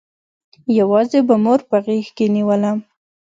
يوازې به مور په غېږ کښې نېولم.